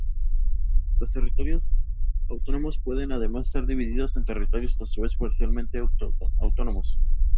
Los territorios autónomos pueden además estar divididos en territorios a su vez parcialmente autónomos.